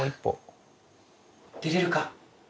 出れるか？